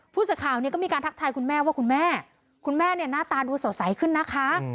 พูดจากข่าวนี้ก็มีการทักทายคุณแม่ว่าคุณแม่คุณแม่หน้าตาดูสดใสขึ้นนะคะ